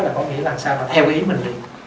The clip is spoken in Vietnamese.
là có nghĩa là sao là theo ý mình đi